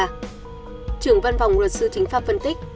trưởng văn phòng luật sư chính pháp phân tích